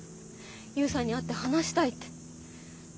「悠さんに会って話したい」って。